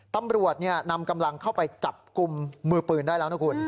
ตำรวจนำกำลังเข้าไปจับกลุ่มมือปืนได้แล้วนะคุณ